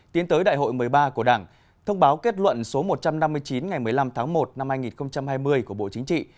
tiến tới đại hội một mươi ba của đảng thông báo kết luận số một trăm năm mươi chín ngày một mươi năm tháng một năm hai nghìn hai mươi của bộ chính trị